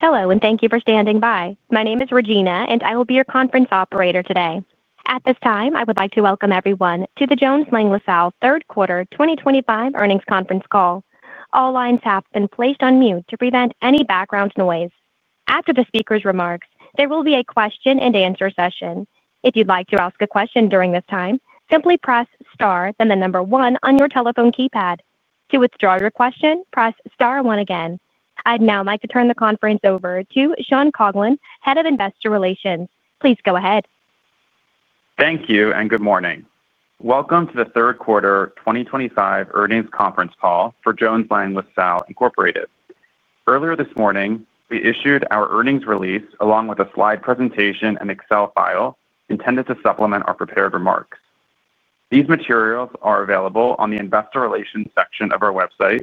Hello and thank you for standing by. My name is Regina and I will be your conference operator today. At this time I would like to welcome everyone to the Jones Lang LaSalle Third Quarter 2025 earnings conference call. All lines have been placed on mute to prevent any background noise. After the Speaker's remarks, there will be a question and answer session. If you'd like to ask a question during this time, simply press star then the number one on your telephone keypad. To withdraw your question, press star one again. I'd now like to turn the conference over to Sean Coghlan, Head of Investor Relations. Please go ahead. Thank you and good morning. Welcome to the third quarter 2025 earnings conference call for Jones Lang LaSalle Incorporated. Earlier this morning we issued our earnings release along with a slide presentation and excel file intended to supplement our prepared remarks. These materials are available on the Investor Relations section of our website.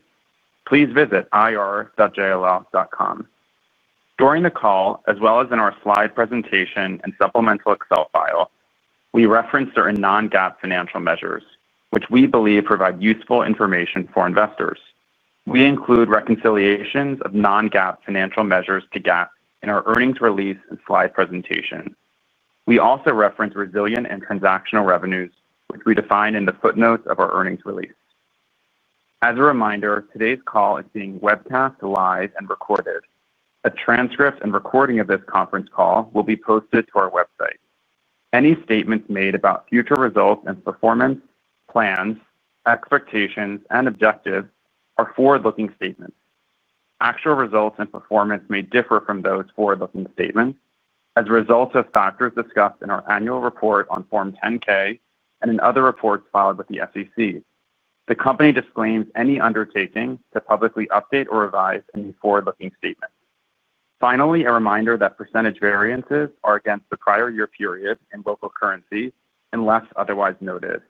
Please visit ir.jll.com during the call. As well as in our slide presentation and supplemental excel file, we reference certain non-GAAP financial measures which we believe provide useful information for investors. We include reconciliations of non-GAAP financial measures to GAAP in our earnings release and slide presentation. We also reference resilient and transactional revenues which we define in the footnotes of our earnings release. As a reminder, today's call is being webcast live and recorded. A transcript and recording of this conference call will be posted to our website. Any statements made about future results and performance plans, expectations and objectives are forward looking statements. Actual results and performance may differ from those forward looking statements as a result of factors discussed in our annual report on Form 10-K and in other reports filed with the SEC. The company disclaims any undertaking to publicly update or revise any forward looking statements. Finally, a reminder that percentage variances are against the prior year period in local currency unless otherwise noted.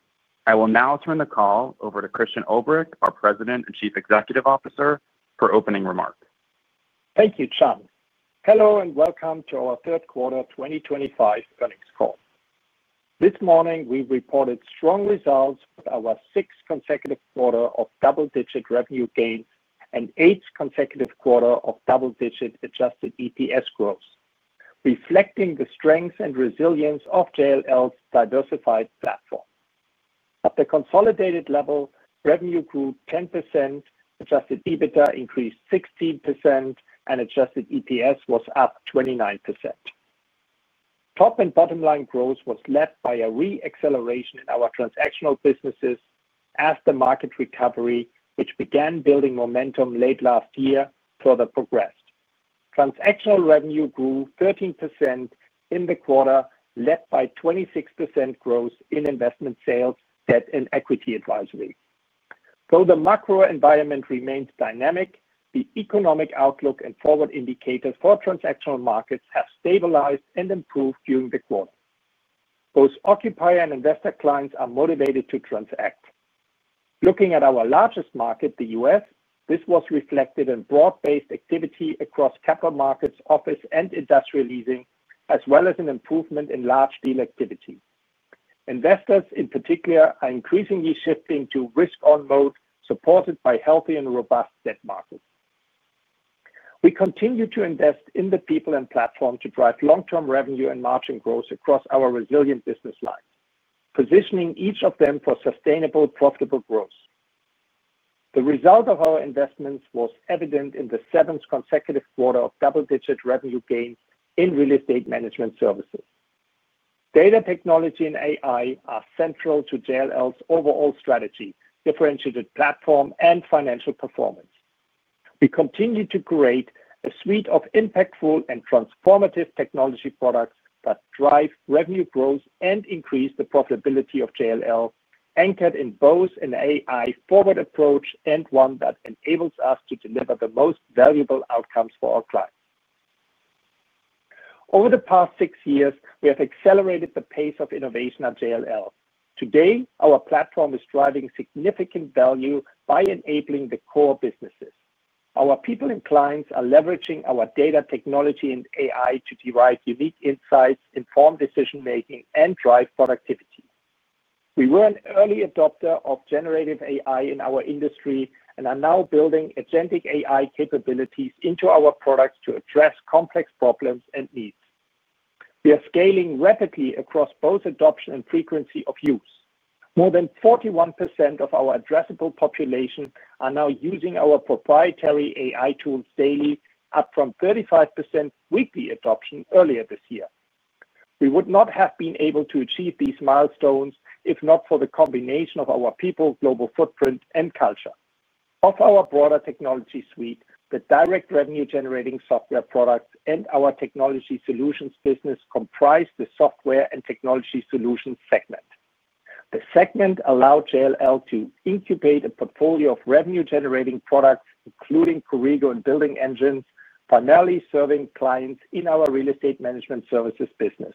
I will now turn the call over to Christian Ulbrich, our President and Chief Executive Officer. Kyle opening remarks. Thank you Sean. Hello and welcome to our Third Quarter 2025 earnings call. This morning we reported strong results with our sixth consecutive quarter of double-digit revenue gain and eighth consecutive quarter of double-digit adjusted EPS growth reflecting the strength and resilience of JLL's diversified platform. At the consolidated level, the revenue grew 10%, Adjusted EBITDA increased 16%, and Adjusted EPS was up 29%. Top and bottom line growth was led by a re-acceleration in our transactional businesses after market recovery, which began building momentum late last year. Further progressed, transactional revenue grew 13% in the quarter, led by 26% growth in investment sales, debt, and equity advisory. Though the macro-environment remains dynamic, the economic outlook and forward indicators for transactional markets have stabilized and improved during the quarter. Both occupier and investor clients are motivated to transact. Looking at our largest market, the U.S., this was reflected in broad-based activity across capital markets, office and industrial leasing, as well as an improvement in large deal activity. Investors in particular are increasingly shifting to risk-on mode, supported by healthy and robust debt markets. We continue to invest in the people and platform to drive long-term revenue and margin growth across our resilient business line, positioning each of them for sustainable profitable growth. The result of our investments was evident in the seventh consecutive quarter of double-digit revenue gain in Real Estate Management Services. Data Technology and AI are central to JLL's overall strategy, differentiated platform, and financial performance. We continue to create a suite of impactful and transformative technology products that drive revenue growth and increase the profitability of JLL, anchored in both an AI-forward approach and one that enables us to deliver the most valuable outcomes for our clients. Over the past six years we have accelerated the pace of innovation at JLL. Today, our platform is driving significant value by enabling the core businesses, our people and clients are leveraging our Data Technology and AI to derive unique insights, inform decision making and drive productivity. We were an early adopter of Generative AI in our industry and are now building Agentic AI capabilities into our products to address complex problems and needs. We are scaling rapidly across both adoption and frequency of use. More than 41% of our addressable population are now using our proprietary AI tools daily, up from 35% with the adoption earlier this year. We would not have been able to achieve these milestones if not for the combination of our people, global footprint and culture of our broader technology suite. The Direct Revenue Generating Software products and our Technology Solutions Business comprise the software and technology solutions segment. The segment allowed JLL to incubate a portfolio of revenue-generating products including Corrigo and Building Engines, finally serving clients in our Real Estate Management Services Business.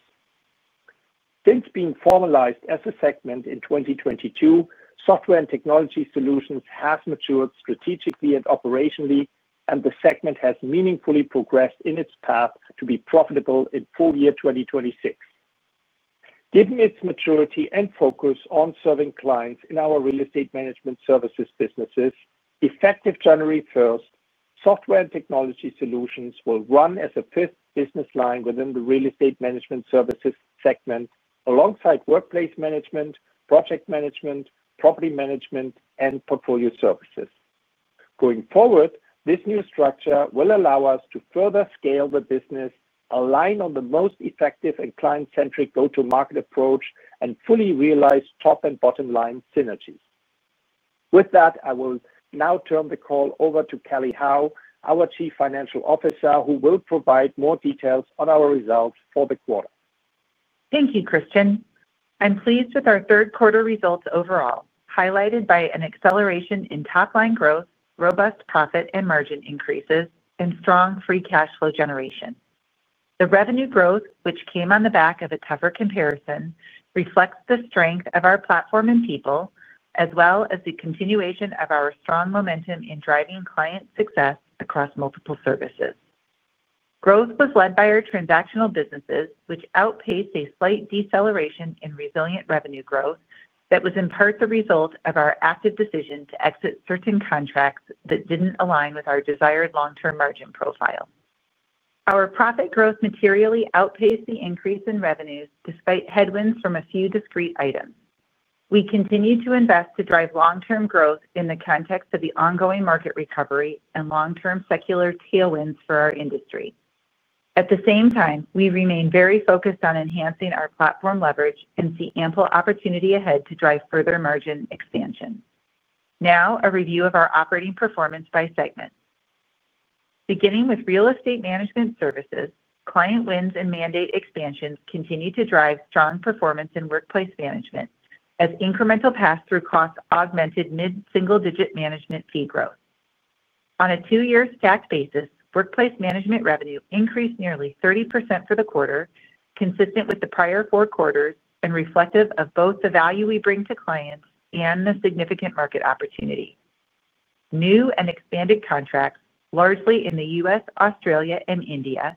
Since being formalized as a segment in 2022, Software and Technology Solutions have matured strategically and operationally, and the segment has meaningfully progressed in its path to be profitable in full year 2026. Given its maturity and focus on serving clients in our Real Estate Management Services Businesses, effective January 1, Software and Technology Solutions will run as a fifth business line within the Real Estate Management Services segment alongside Workplace Management, Project Management, Property Management, and Portfolio services. Going forward, this new structure will allow us to further scale the Business, align on the most effective and client-centric go-to-market approach, and fully realize top and bottom line synergies. With that, I will now turn the call over to Kelly Howe, our Chief Financial Officer, who will provide more details on our results for the quarter. Thank you, Christian. I'm pleased with our third quarter results overall, highlighted by an acceleration in top line growth, robust profit and margin increases, and strong free cash flow generation. The revenue growth, which came on the back of a tougher comparison, reflects the strength of our platform and people as well as the continuation of our strong momentum in driving client success. Across multiple services, growth was led by our transactional businesses which outpaced a slight deceleration in resilient revenue growth that was in part the result of our active decision to exit certain contracts that did not align with our desired long term margin profile. Our profit growth materially outpaced the increase in revenues despite headwinds from a few discrete items. We continue to invest to drive long term growth in the context of the ongoing market recovery and long term secular tailwinds for our industry. At the same time, we remain very focused on enhancing our platform leverage and see ample opportunity ahead to drive further margin expansion. Now a review of our operating performance by segment, beginning with Real Estate Management Services. Client wins and mandate expansion continue to drive strong performance in Workplace Management as incremental pass through costs augmented mid-single-digit management fee growth. On a two year stacked basis, Workplace Management revenue increased nearly 30% for the quarter, consistent with the prior four quarters and reflective of both the value we bring to clients and the significant market opportunity. New and expanded contracts, largely in the U.S., Australia, and India,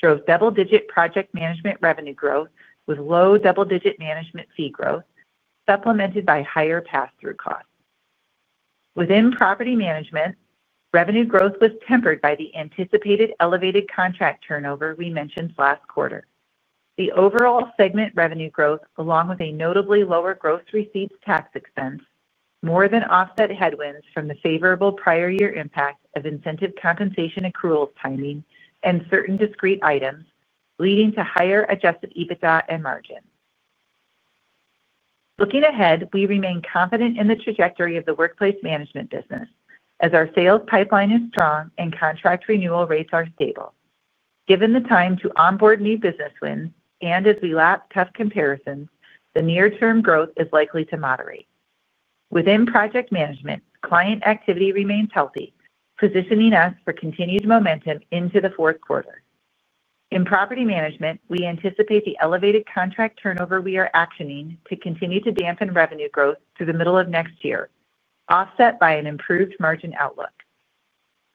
drove double-digit Project Management revenue growth with low-double-digit Management fee growth supplemented by higher pass through costs. Within Property Management, revenue growth was tempered by the anticipated elevated contract turnover we mentioned last quarter. The overall segment revenue growth along with a notably lower gross receipts tax expense more than offset headwinds from the favorable prior year impact of incentive compensation, accrual timing, and certain discrete items leading to higher Adjusted EBITDA and margin. Looking ahead, we remain confident in the trajectory of the Workplace Management Business as our sales pipeline is strong and contract renewal rates are stable. Given the time to onboard new business wins and as we lap tough comparisons, the near term growth is likely to moderate. Within Project Management, client activity remains healthy, positioning us for continued momentum into the fourth quarter. In Property Management, we anticipate the elevated contract turnover we are actioning to continue to dampen revenue growth through the middle of next year, offset by an improved margin outlook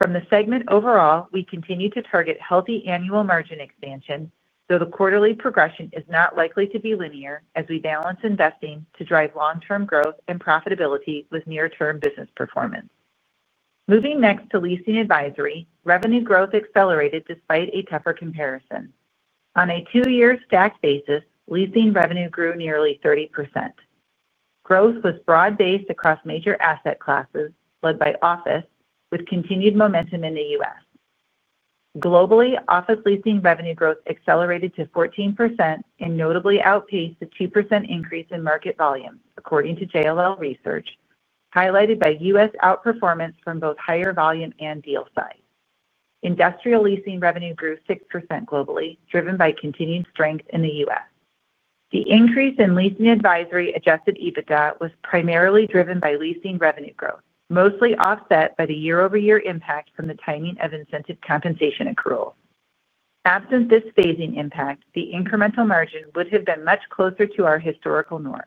from the segment. Overall, we continue to target healthy annual margin expansion, though the quarterly progression is not likely to be linear as we balance investing to drive long term growth and profitability with near term business performance. Moving next to Leasing advisory, revenue growth accelerated despite a tougher comparison. On a two year stacked basis, Leasing revenue grew nearly 30%. Growth was broad based across major asset classes led by office with continued momentum in the U.S. Globally, office leasing revenue growth accelerated to 14% and notably outpaced a 2% increase in market volume according to JLL research, highlighted by U.S. outperformance from both higher volume and deal side. Industrial Leasing revenue grew 6% globally, driven by continued strength in the U.S. The increase in Leasing advisory Adjusted EBITDA was primarily driven by Leasing revenue growth, mostly offset by the year-over-year impact from the timing of incentive compensation accrual. Absent this phasing impact, the incremental margin would have been much closer to our historical norm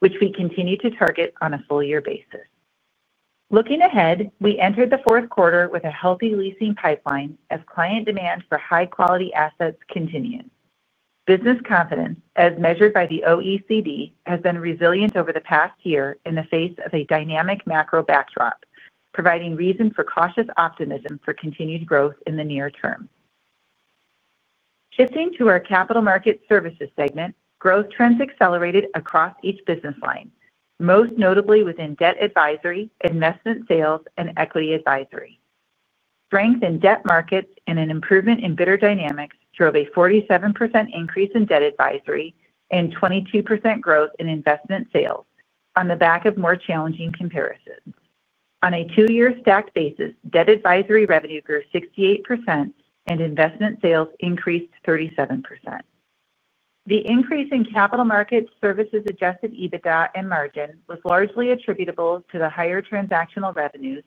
which we continue to target on a full year basis. Looking ahead, we entered the fourth quarter with a healthy leasing pipeline as client demand for high quality assets continues. Business confidence as measured by the OECD has been resilient over the past year in the face of a dynamic macro-backdrop, providing reason for cautious optimism for continued growth in the near term. Shifting to our Capital Market Services segment, growth trends accelerated across each business line, most notably within debt advisory, investment sales and equity advisory. Strength in debt markets and an improvement in bidder dynamics drove a 47% increase in debt advisory and 22% growth in investment sales on the back of more challenging comparisons. On a two year stacked basis, debt advisory revenue grew 68% and investment sales increased 37%. The increase in capital markets services Adjusted EBITDA and margin was largely attributable to the higher transactional revenues,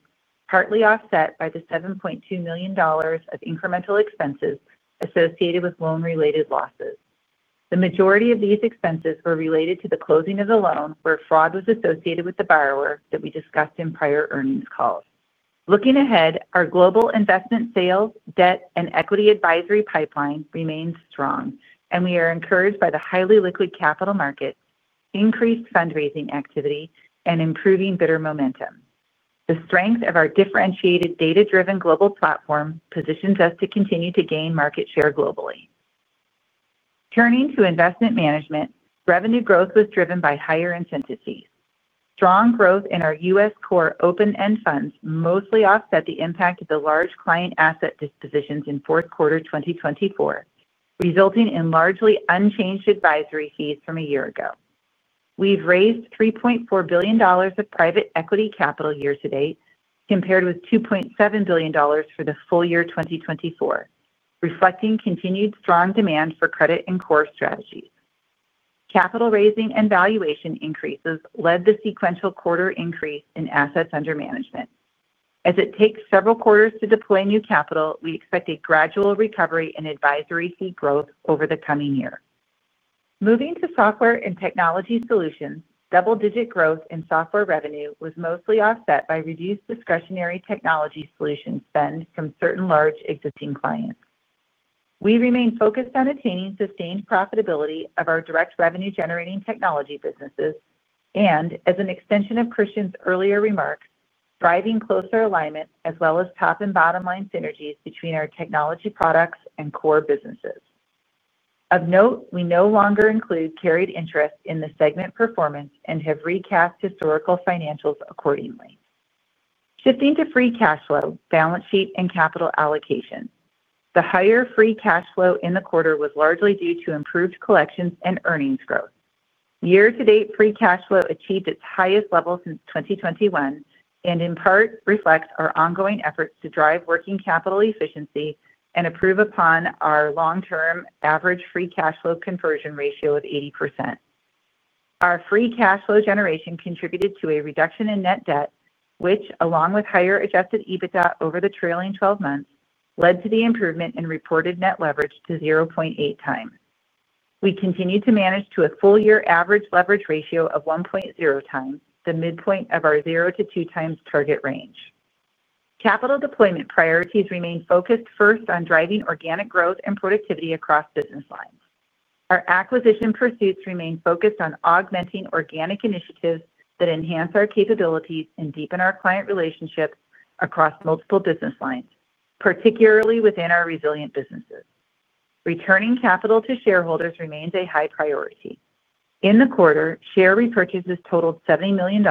partly offset by the $7.2 million of incremental expenses associated with loan related losses. The majority of these expenses were related to the closing of the loan where fraud was associated with the borrower that we discussed in prior earnings calls. Looking ahead, our Global Investment sales, Debt and Equity advisory pipeline remains strong and we are encouraged by the highly liquid capital market, increased fundraising activity and improving bidder momentum. The strength of our differentiated Data Driven Global platform positions us to continue to gain market share globally. Turning to Investment Management, revenue growth was driven by higher incentive fees. Strong growth in our US Core open end funds mostly offset the impact of the large client asset dispositions in fourth quarter 2024, resulting in largely unchanged advisory fees from a year ago. We've raised $3.4 billion of Private Equity Capital year to date compared with $2.7 billion for the full year 2024, reflecting continued strong demand for credit and core strategies. Capital raising and valuation increases led the sequential quarter increase in assets under management. As it takes several quarters to deploy new capital, we expect a gradual recovery in advisory fee growth over the coming year. Moving to Software and Technology Solutions, double-digit growth in software revenue was mostly offset by reduced discretionary technology solutions spend from certain large existing clients. We remain focused on attaining sustained profitability of our direct revenue generating technology businesses and as an extension of Christian's earlier remarks, driving closer alignment as well as top and bottom line synergies between our technology products and core businesses. Of note, we no longer include carried interest in the segment performance and have recast historical financials accordingly, shifting to Free cash flow, Balance sheet and Capital Allocation. The higher Free cash flow in the quarter was largely due to improved collections and earnings growth year to date. Free cash flow achieved its highest level since 2021 and in part reflects our ongoing efforts to drive working capital efficiency and improve upon our long term average Free cash flow conversion ratio of 80%. Our Free cash flow generation contributed to a reduction in net debt, which along with higher Adjusted EBITDA over the trailing 12 months led to the improvement in reported net leverage to 0.8x. We continue to manage to a full year average leverage ratio of 1.0x, the midpoint of our 0-2x target range. Capital deployment priorities remain focused first on driving organic growth and productivity across business lines. Our acquisition pursuits remain focused on augmenting organic initiatives that enhance our capabilities and deepen our client relationships across multiple business lines, particularly within our resilient businesses. Returning capital to shareholders remains a high priority. In the quarter, share repurchases totaled $70 million,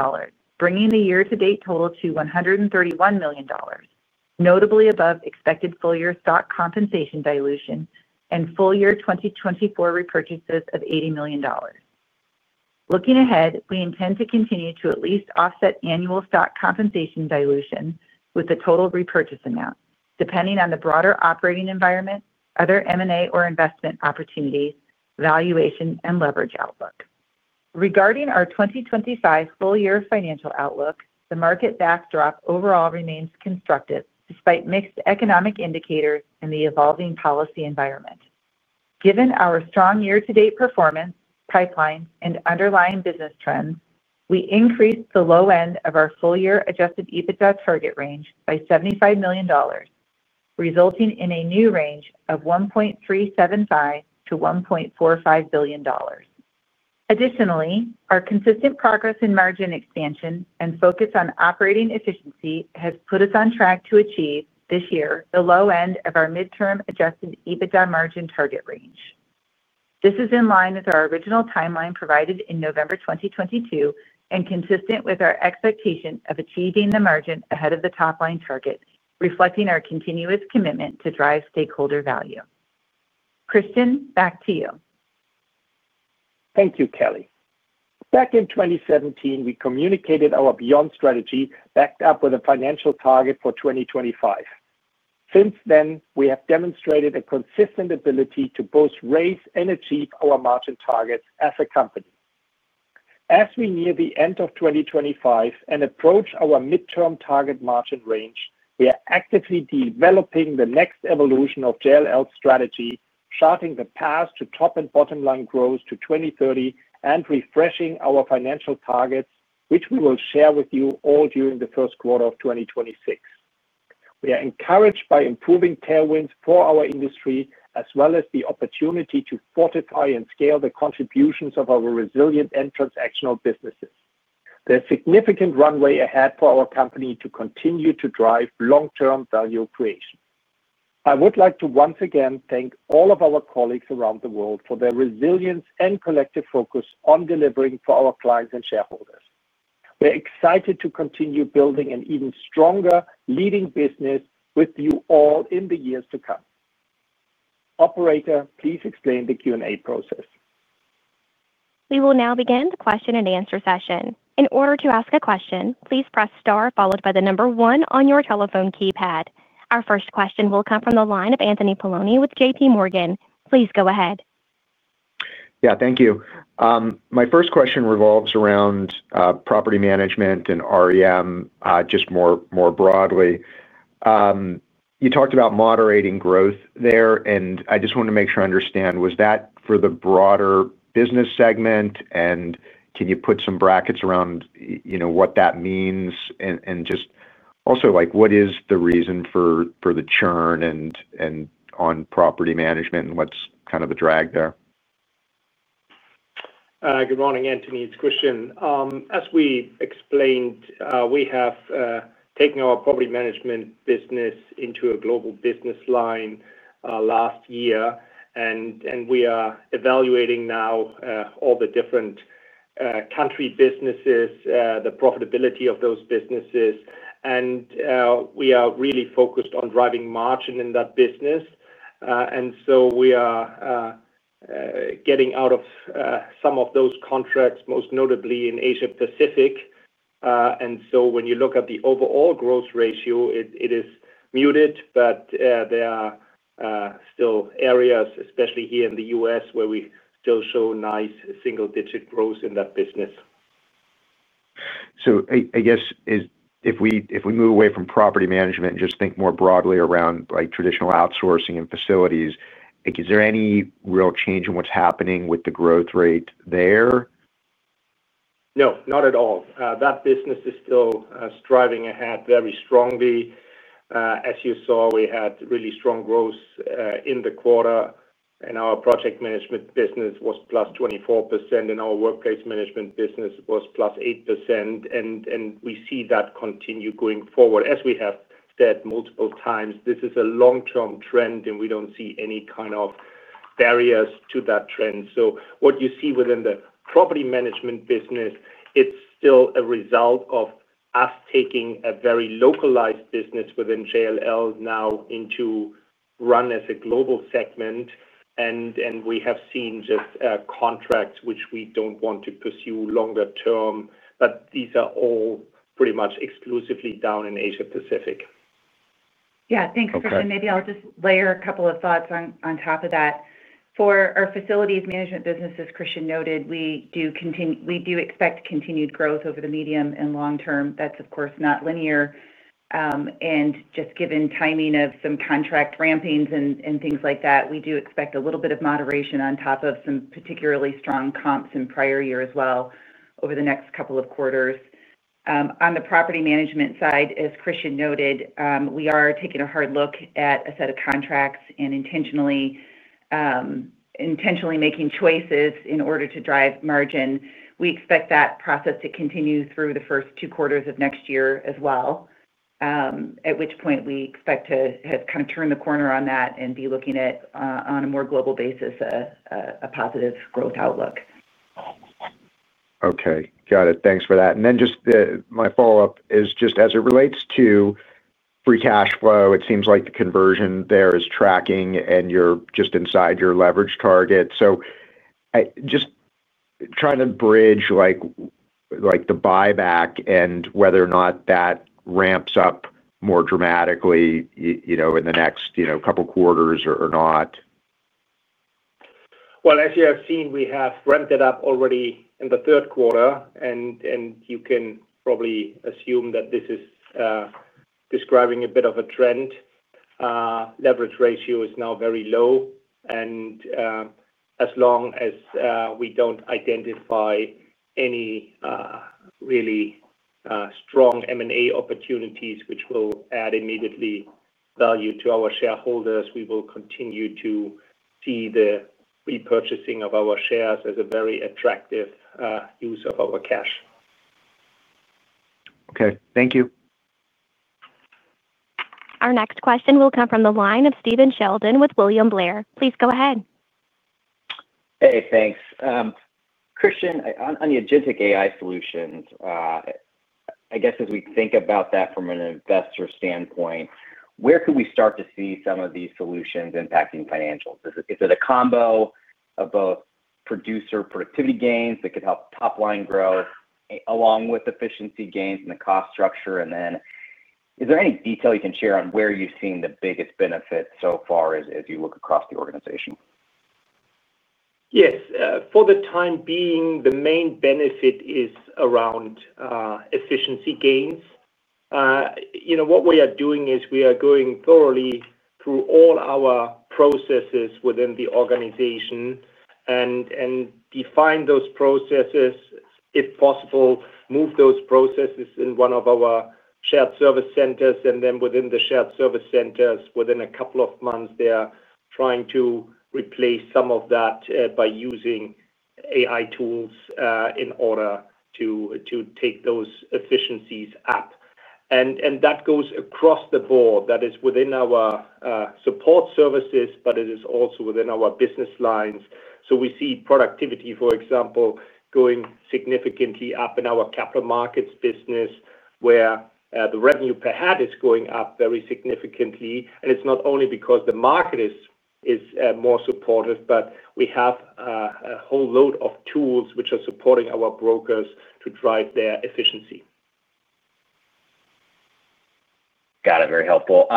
bringing the year to date total to $131 million, notably above expected full year stock compensation dilution and full year 2024 repurchases of $80 million. Looking ahead, we intend to continue to at least offset annual stock compensation dilution with the total repurchase amount depending on the broader operating environment. Other M&A or investment opportunities, valuation and leverage outlook. Regarding our 2025 full year financial outlook, the market backdrop overall remains constructive despite mixed economic indicators and the evolving policy environment. Given our strong year to date performance pipeline and underlying business trends, we increased the low end of our full year Adjusted EBITDA target range by $75 million, resulting in a new range of $1.375 billion-$1.45 billion. Additionally, our consistent progress in margin expansion and focus on operating efficiency has put us on track to achieve this year the low end of our midterm Adjusted EBITDA margin target range. This is in line with our original timeline provided in November 2022 and consistent with our expectation of achieving the margin ahead of the top line target, reflecting our continuous commitment to drive stakeholder value. Christian, back to you. Thank you, Kelly. Back in 2017 we communicated our Beyond Strategy backed up with a financial target for 2025. Since then we have demonstrated a consistent ability to both raise and achieve our margin targets as a company. As we near the end of 2025 and approach our mid term target margin range, we are actively developing the next evolution of JLL's strategy, charting the path to top and bottom line growth to 2030 and refreshing our financial targets, which we will share with you all during the first quarter of 2026. We are encouraged by improving tailwinds for our industry as well as the opportunity to fortify and scale the contributions of our resilient and transactional businesses. There is significant runway ahead for our company to continue to drive long term value creation. I would like to once again thank all of our colleagues around the world for their resilience and collective focus on delivering for our clients and shareholders. We're excited to continue building an even stronger leading business with you all in the years to come. Operator, please explain the Q and A process. We will now begin the question and answer session. In order to ask a question, please press star followed by the number one on your telephone keypad. Our first question will come from the line of Anthony Paolone with JPMorgan. Please go ahead. Yeah, thank you. My first question revolves around Property Management and REM, just more broadly you talked about moderating growth there and I just wanted to make sure I understand was that for the broader business segment and can you put some brack, ets around what that means and just also like what is the reason for the churn on Property Management, and what's kind of a drag there? Good morning Anthony, it's Christian. As we explained, we have taken our Property Management Business into a Global Business Line last year and we are evaluating now all the different country businesses, the profitability of those businesses and we are really focused on driving margin in that business and so we are getting out of some of those contracts, most notably in Asia Pacific. When you look at the overall growth ratio it is muted, but there are still areas, especially here in the U.S., where we still show nice single-digit growth in that business. If we move away from Property Management and just think more broadly around traditional outsourcing and facilities, is there any real change in what's happening with the growth rate there? No, not at all. That business is still striving ahead very strongly. As you saw, we had really strong growth in the quarter and our Project Management Business was +24%. In our Workplace Management Business, it was +8%, and we see that continue going forward. As we have said multiple times, this is a long-term trend and we do not see any kind of barriers to that trend. What you see within the Property Management Business, it's still a result of us taking a very localized business within JLL now into run as a global segment. We have seen just contracts which we don't want to pursue longer term. These are all pretty much exclusively down in Asia Pacific. Yeah, thanks Christian. Maybe I'll just layer a couple of thoughts on top of that for our Facilities Management Business. As Christian noted, we do expect continued growth over the medium and long term. That's of course not linear and just given timing of some contract rampings and things like that, we do expect a little bit of moderation on top of some particularly strong comps in prior year as well over the next couple of quarters. On the Property Management side, as Christian noted, we are taking a hard look at a set of contracts and intentionally, intentionally making choices in order to drive margin. We expect that process to continue through the first two quarters of next year as well, at which point we expect to have kind of turned the corner on that and be looking at on a more global basis, a positive growth outlook. Okay, got it. Thanks for that. My follow up is just as it relates to Free cash flow, it seems like the conversion there is tracking and you're just inside your leverage target. Just trying to bridge the buyback and whether or not that ramps up more dramatically in the next couple quarters or not. As you have seen, we have ramped it up already in the third quarter and you can probably assume that this is describing a bit of a trend. Leverage ratio is now very low and as long as we do not identify any really strong M&A opportunities which will add immediate value to our shareholders, we will continue to see the repurchasing of our shares as a very attractive use of our cash. Okay, thank you. Our next question will come from the line of Stephen Sheldon with William Blair. Please go ahead. Hey, thanks Christian. On the Agentic AI solutions. I guess as we think about that from an investor standpoint, where could we start to see some of these solutions impacting financials? Is it a combo of both producer productivity gains that could help top line growth along with efficiency gains in the cost structure? Is there any detail you can share on where you've seen the biggest benefit so far as you look across the organization? Yes, for the time being, the main benefit is around efficiency gains. You know, what we are doing is we are going thoroughly through all our processes within the organization and define those processes, if possible, move those processes in one of our shared service centers. Within the shared service centers, within a couple of months, they are trying to replace some of that by using AI tools in order to take those efficiencies up. That goes across the board. That is within our support services, but it is also within our business lines. We see productivity, for example, going significantly up in our Capital Markets Business where the revenue per head is going up very significantly. It is not only because the market is more supportive, but we have a whole load of tools which are supporting our brokers to drive their efficiency. Got it. Very helpful.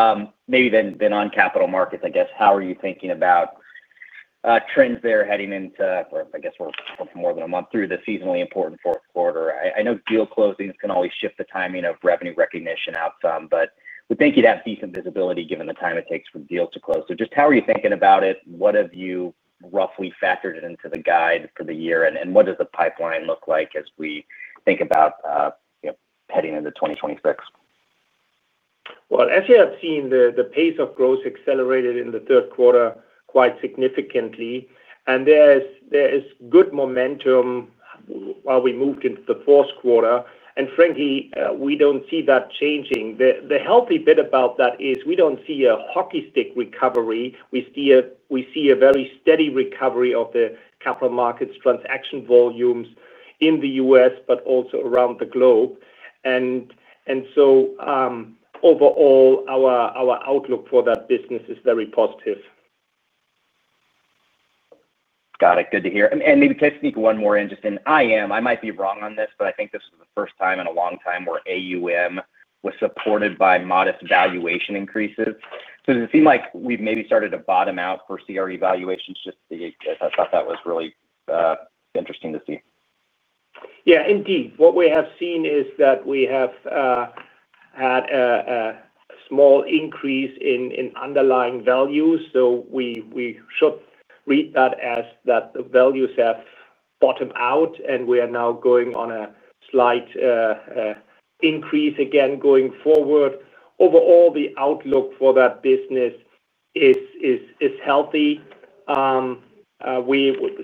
Maybe then on capital markets, I guess how are you thinking about trends there heading into, or I guess we are more than a month through, the seasonally important fourth quarter. I know deal closings can always shift the timing of revenue recognition outcome, but we think you'd have decent visibility given the time it takes for the deal to close. Just how are you thinking about it? What have you roughly factored into the guide for the year and what does the pipeline look like as we think about heading into 2026? As you have seen, the pace of growth accelerated in the third quarter quite significantly and there is good momentum while we moved into the fourth quarter and frankly we do not see that changing. The healthy bit about that is we do not see a hockey stick recovery. We see a very steady recovery of the capital markets transaction volumes in the U.S. but also around the globe. Overall our outlook for that business is very positive. Got it. Good to hear. Maybe can I sneak one more in? Just in, I might be wrong on this, but I think this was the first time in a long time where AUM was supported by modest valuation increases. Does it seem like we've maybe started to bottom out for CRE valuations? Just. I thought that was really interesting to see. Yeah, indeed what we have seen is that we have had a small increase in underlying values. We should read that as that the values have bottomed out and we are now going on a slight increase again going forward. Overall, the outlook for that business is healthy.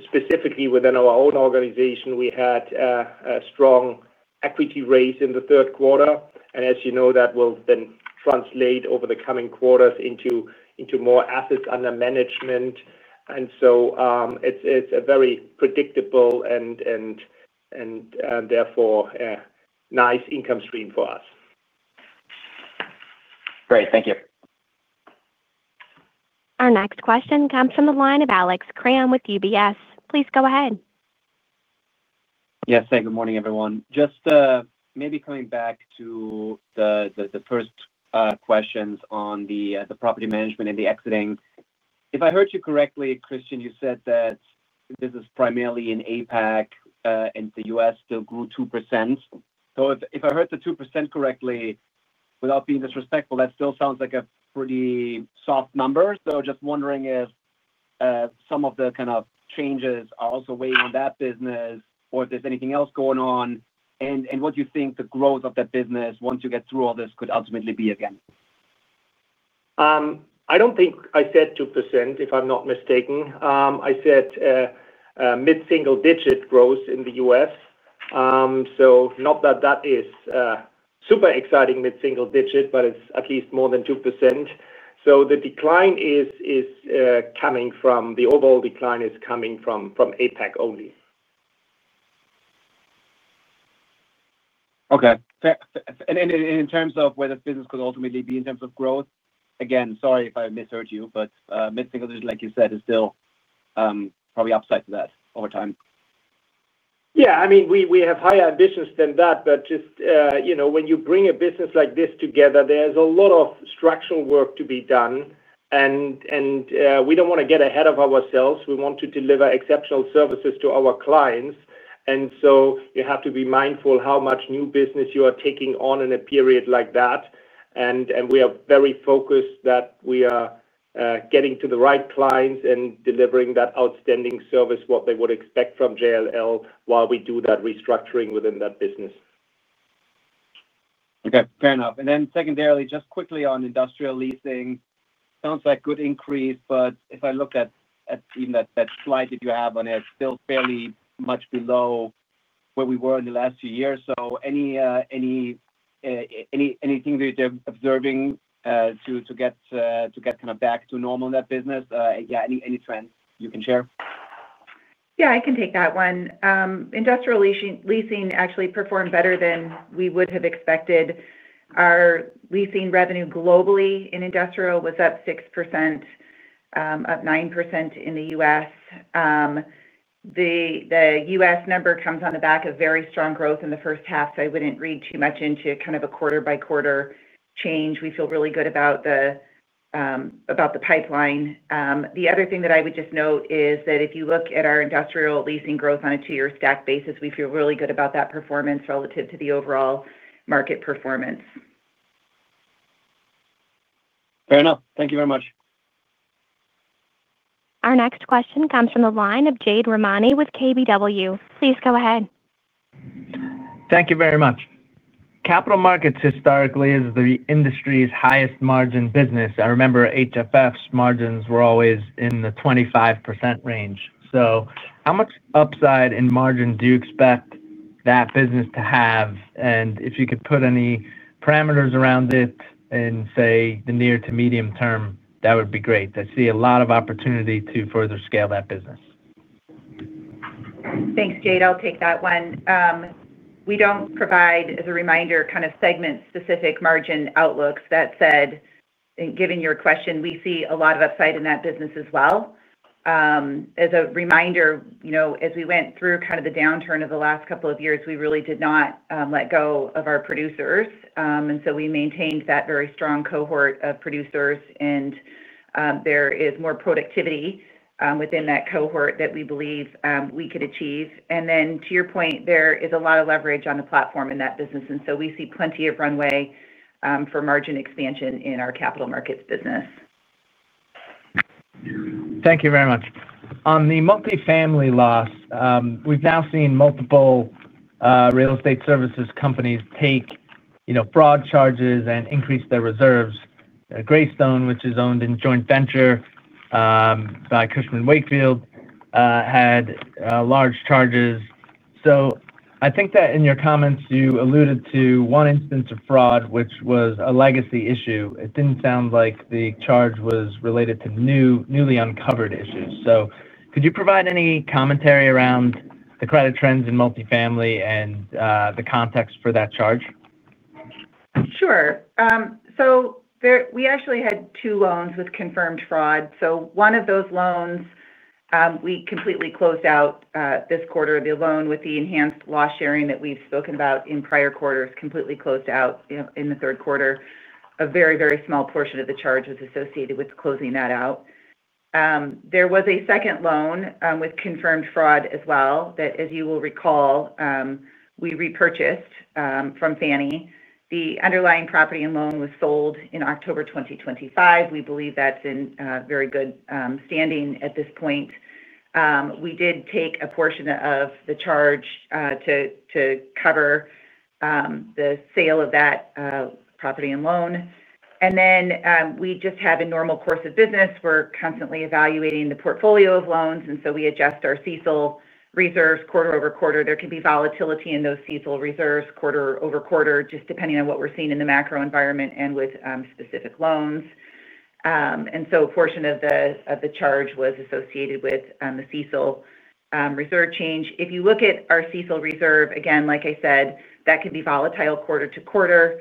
Specifically within our own organization, we had a strong equity raise in the third quarter. As you know, that will then translate over the coming quarters into more assets under management. It is a very predictable and therefore nice income stream for us. Great, thank you. Our next question comes from the line of Alex Kramm with UBS. Please go ahead. Yes, good morning everyone. Just maybe coming back to the first questions on the Property Management and the exiting. If I heard you correctly, Christian, you said that this is primarily in APAC and the U.S. still grew 2%. If I heard the 2% correctly, without being disrespectful, that still sounds like a pretty soft number. Just wondering if some of the kind of changes are also weighing on that business or if there's anything else going on and what you think the growth of that business once you get through all this could ultimately be again? I don't think I said 2%. If I'm not mistaken, I said mid-single-digit growth in the US. Not that that is super exciting mid-single-digit, but it's at least more than 2%. The decline is coming from. The overall decline is coming from APAC only. Okay. In terms of where this business could ultimately be in terms of growth, again, sorry if I misheard you, but mid-single-digit, like you said, is still probably upside to that over time? Yeah, I mean we have higher ambitions than that. Just, you know, when you bring a business like this together, there's a lot of structural work to be done and we do not want to get ahead of ourselves. We want to deliver exceptional services to our clients. You have to be mindful how much new business you are taking on in a period like that. We are very focused that we are getting to the right clients and delivering that outstanding service. What they would expect from JLL while we do that restructuring within that business. Okay, fair enough. Secondarily, just quickly on industrial leasing, sounds like good increase. If I look at even that slide that you have on it, still fairly much below where we were in the last few years. Any anything that they're observing to get kind of back to normal in that business? Yeah. Any trends you can share? Yeah, I can take that one. Industrial leasing actually performed better than we would have expected. Our leasing revenue globally in industrial was up 6%, up 9% in the U.S. The US number comes on the back of very strong growth in the first half. I would not read too much into kind of a quarter-by-quarter. We feel really good about the, about the pipeline. The other thing that I would just note is that if you look at our industrial leasing growth on a two year stack basis, we feel really good about that performance relative to the overall market performance. Fair enough. Thank you very much. Our next question comes from the line of Jade Rahmani with KBW. Please go ahead. Thank you very much. Capital markets historically is the industry's highest margin business. I remember HFF's margins were always in the 25% range. How much upside in margin do you expect that business to have? If you could put any parameters around it and say the near to medium term, that would be great. I see a lot of opportunity to further scale that business? Thanks Jade. I'll take that one. We don't provide, as a reminder, kind of segment specific margin outlooks. That said, given your question, we see a lot of upside in that business as well. As a reminder, you know, as we went through kind of the downturn of the last couple of years, we really did not let go of our producers and so we maintained that very strong cohort of producers and there is more productivity within that cohort that we believe we could achieve. To your point, there is a lot of leverage on the platform in that business and we see plenty of runway for margin expansion in our Capital Markets Business. Thank you very much. On the multifamily loss. We've now seen multiple real estate services companies take, you know, fraud charges and increase their reserves. Greystone, which is owned in joint venture by Cushman & Wakefield, had large charges. I think that in your comments you alluded to one instance of fraud which was a legacy issue. It didn't sound like the charge was related to newly uncovered issues. Could you provide any commentary around the credit trends in multifamily and the context for that charge? Sure. We actually had two loans with confirmed fraud. One of those loans we completely closed out this quarter. The loan with the enhanced loss sharing that we've spoken about in prior quarters completely closed out in the third quarter. A very, very small portion of the charge was associated with closing that out. There was a second loan with confirmed fraud as well that, as you will recall, we repurchased from Fannie. The underlying property and loan was sold in October 2025. We believe that's in very good standing at this point. We did take a portion of the charge to cover the sale of that property and loan. We just have a normal course of business. We're constantly evaluating the portfolio of loans. We adjust our CECL reserves quarter-over-quarter. There could be volatility in those CECL reserves quarter-over-quarter, just depending on what we're seeing in the macro environment and with specific loans. A portion of the charge was associated with the CECL reserve change. If you look at our CECL reserve, again, like I said, that can be volatile quarter to quarter.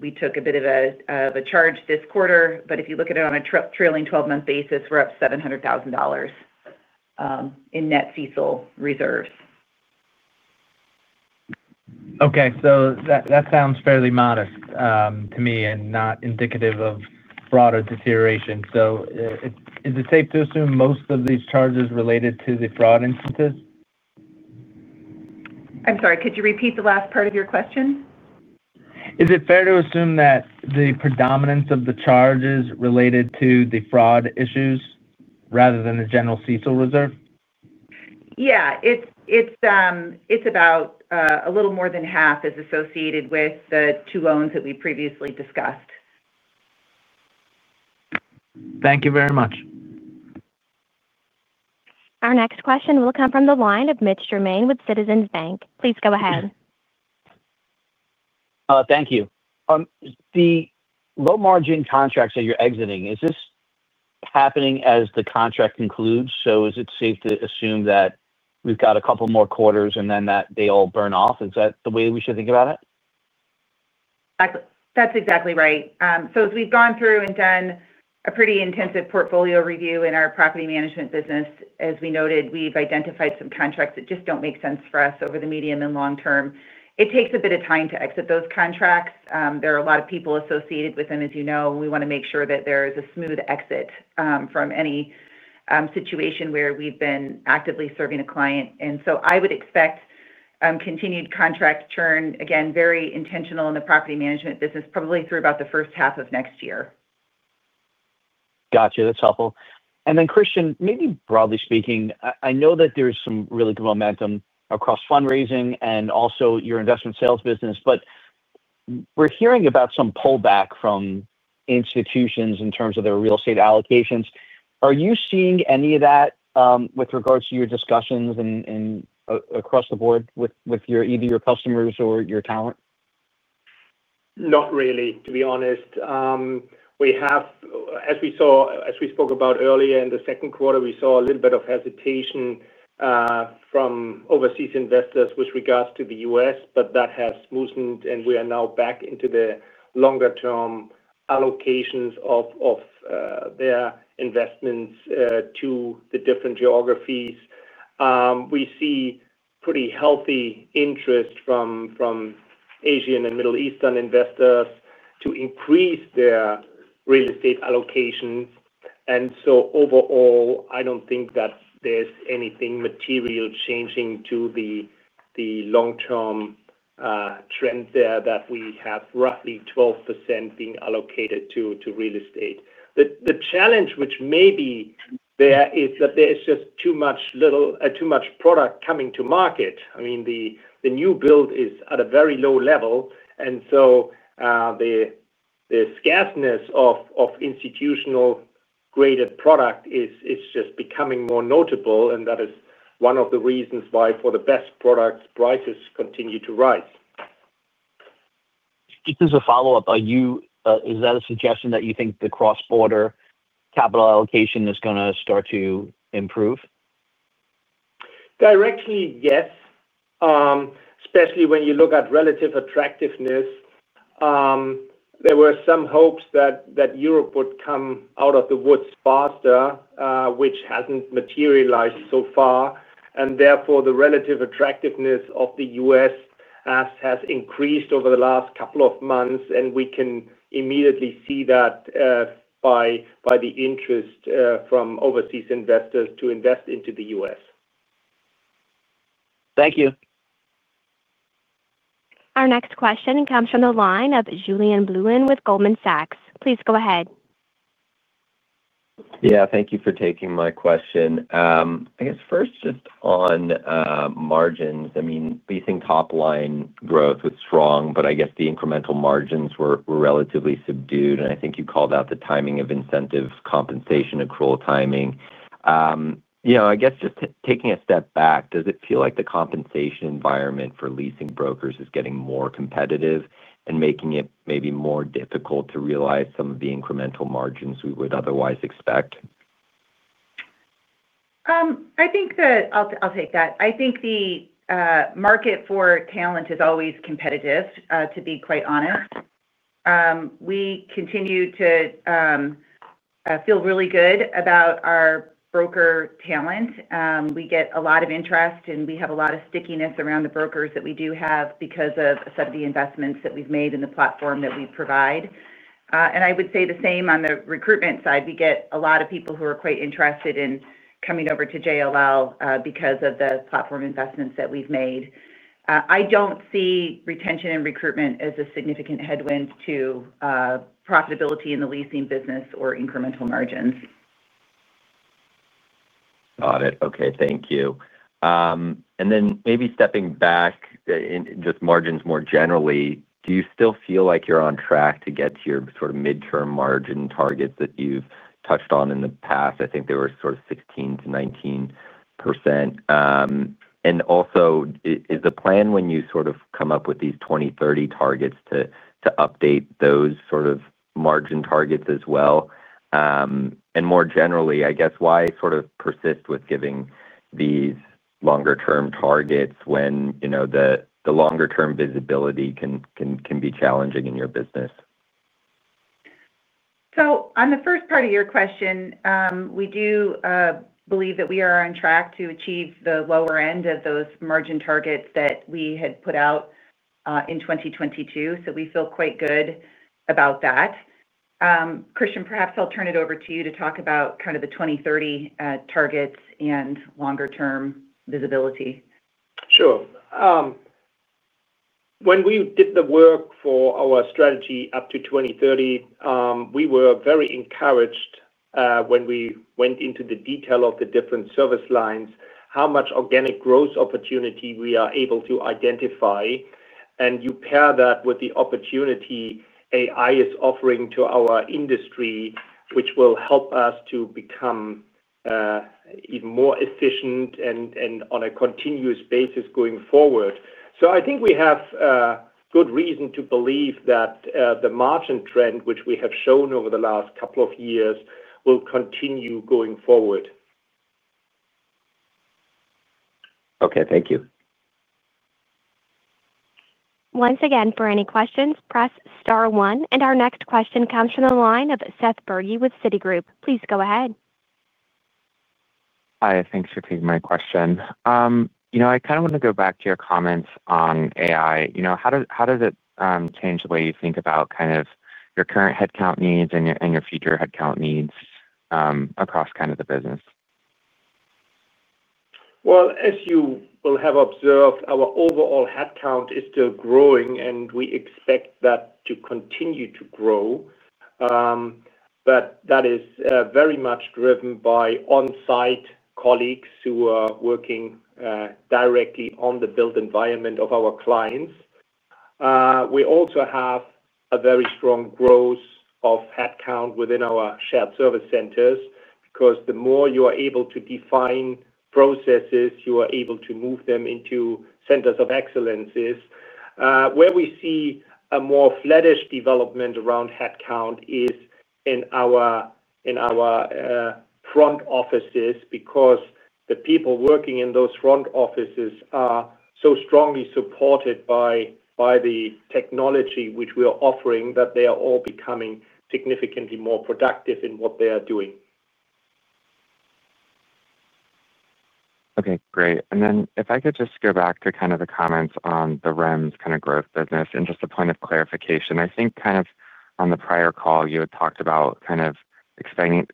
We took a bit of a charge this quarter, but if you look at it on a trailing twelve month basis, we're up $700,000 in net CECL reserves. Okay, so that sounds fairly modest to me and not indicative of broader deterioration. Is it safe to assume most of these charges related to the fraud instances? I'm sorry, could you repeat the last part of your question? Is it fair to assume that the predominance of the charges related to the fraud issues rather than the general CECL reserve? Yeah, it's about a little more than half is associated with the two loans that we previously discussed. Thank you very much. Our next question will come from the line of Mitch Germain with Citizens Bank. Please go ahead. Thank you. The low margin contracts that you're exiting, is this happening as the contract concludes? Is it safe to assume that we've got a couple more quarters and then that they all burn off? Is that the way we should think about it? That's exactly right. As we've gone through and done a pretty intensive portfolio review in our Property Management Business, as we noted, we've identified some contracts that just don't make sense for us over the medium and long term. It takes a bit of time to exit those contracts. There are a lot of people associated with them, as you know. We want to make sure that there is a smooth exit from any situation where we've been actively serving a client. I would expect continued contract churn, again, very intentional in the Property Management Business, probably through about the first half of next year. Gotcha. That's helpful. Christian, maybe broadly speaking, I know that there's some really good momentum across fundraising and also your investment sales business, but we're hearing about some pullback from institutions in terms of their real estate allocations. Are you seeing any of that with regards to your discussions and across the board with your, either your customers or your talent? Not really, to be honest. We have, as we spoke about earlier in the second quarter, we saw a little bit of hesitation from overseas investors with regards to the U.S. but that has loosened and we are now back into the longer term allocations of their investments to the different geographies. We see pretty healthy interest from Asian and Middle Eastern investors to increase their real estate allocations. Overall I don't think that there's anything material changing to the long term trend there that we have roughly 12% being allocated to real estate. The challenge which may be there is that there is just too much, little too much product coming to market. I mean the new build is at a very low level and the scarceness of institutional graded product is just becoming more notable. That is one of the reasons why for the best products, prices continue to rise. Just as a follow up on you, is that a suggestion that you think the cross border capital allocation is going to start to improve? Directly? Yes, especially when you look at relative attractiveness. There were some hopes that Europe would come out of the woods faster, which hasn't materialized so far. Therefore, the relative attractiveness of the U.S. has increased over the last couple of months, and we can immediately see that by the interest from overseas investors to invest into the U.S. Thank you. Our next question comes from the line of Julien Blouin with Goldman Sachs. Please go ahead. Yeah, thank you for taking my question. I guess first just on margins. I mean, basic top line growth was strong, but I guess the incremental margins were relatively subdued. I think you called out the timing of incentive compensation accrual timing. You know, I guess just taking a step back, does it feel like the compensation environment for leasing brokers is getting more competitive and making it maybe more difficult to realize some of the incremental margins we would otherwise expect? I think that. I'll take that. I think the market for talent is always competitive. To be quite honest. We continue to feel really good about our broker talent. We get a lot of interest and we have a lot of stickiness around the brokers that we do have because of some of the investments that we've made in the platform that we provide. I would say the same on the recruitment side. We get a lot of people who are quite interested in coming over to JLL because of the platform investments that we've made. I don't see retention and recruitment as a significant headwind to profitability in the Leasing Business or incremental margins. Got it. Okay, thank you. Maybe stepping back in just margins more generally. Do you still feel like you're on track to get to your sort of midterm margin target that you've touched on in the past? I think they were sort of 16%-19%. Also, is the plan, when you sort of come up with these 2030 targets, to update those sort of margin targets as well? More generally, I guess, why sort of persist with giving these longer term targets when the longer term visibility can be challenging in your business? On the first part of your question, we do believe that we are on track to achieve the lower end of those margin targets that we had put out in 2022. We feel quite good about that. Christian, perhaps I'll turn it over to you to talk about kind of the 2030 targets and longer term visibility. Sure. When we did the work for our Strategy up to 2030, we were very encouraged when we went into the detail of the different service lines, how much organic growth opportunity we are able to identify. You pair that with the opportunity AI is offering to our industry, which will help us to become even more efficient and on a continuous basis going forward. I think we have good reason to believe that the margin trend which we have shown over the last couple of years will continue going forward. Okay, thank you. Once again for any questions. Press star one. Our next question comes from the line of Seth Bergey with Citigroup. Please go ahead. Hi. Thanks for taking my question. You know, I kind of want to go back to your comments on AI. You know, how does, how does it change the way you think about kind of your current headcount needs and your future headcount needs across kind of the business? As you will have observed, our overall headcount is still growing and we expect that to continue to grow. That is very much driven by on site colleagues who are working directly on the built environment of our clients. We also have a very strong growth of headcount within our shared service centers because the more you are able to define processes, you are able to move them into centers of excellences. Where we see a more flattish development around headcount is in our front offices because the people working in those front offices are so strongly supported by the technology which we are offering that they are all becoming significantly more productive in what they are doing. Okay, great. If I could just go back to kind of the comments on the REMS kind of growth business and just a point of clarification, I think on the prior call you had talked about expecting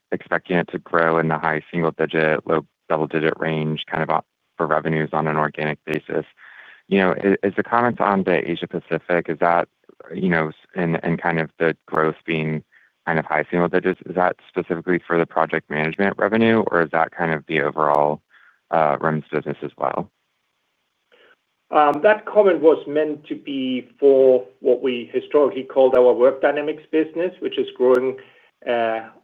it to grow in the high single digit, low double digit range for revenues on an organic basis. You know, is the comment on the Asia Pacific, is that, you know, and kind of the growth being kind of high single digits, is that specifically for the Project Management revenue or is that kind of the overall REMS business as well? That comment was meant to be for what we historically called our work dynamics business, which is growing,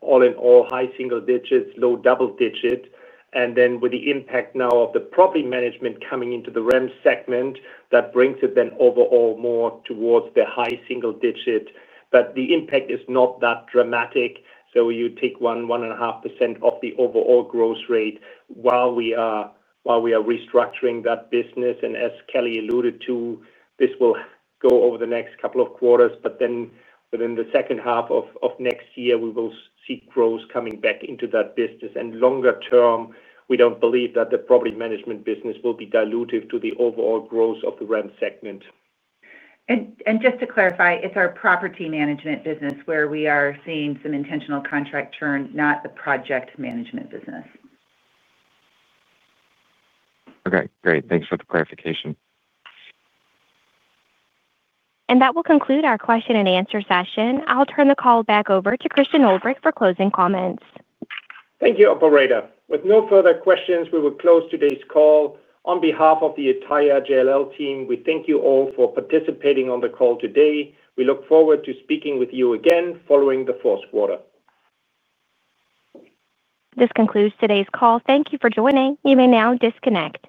all in all, high-single-digits, low-double-digit. With the impact now of the property Management coming into the REM segment, that brings it then overall more towards the high-single-digit. The impact is not that dramatic. You take one 1.5% of the overall growth rate while we are restructuring that business. As Kelly alluded to, this will go over the next couple of quarters but then within the second half of next year we will see growth coming back into that business. Longer term, we do not believe that the Property Management Business will be dilutive to the overall growth of the rent segment. Just to clarify, it's our Property Management Business where we are seeing some intentional contract churn, not the Project Management Business. Okay, great. Thanks for the clarification. That will conclude our question and answer session. I'll turn the call back over to Christian Ulbrich for closing comments. Thank you, operator. With no further questions, we will close today's call. On behalf of the entire JLL team, we thank you all for participating on the call today. We look forward to speaking with you again following the fourth quarter. This concludes today's call. Thank you for joining. You may now disconnect.